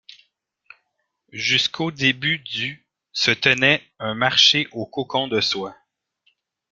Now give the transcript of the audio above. Jusqu'au début du se tenait un marché aux cocons de soie.